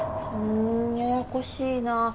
うんややこしいなぁ。